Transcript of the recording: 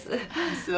そう。